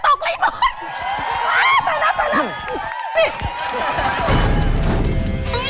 ตายแล้ว